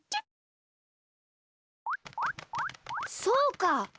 そうか！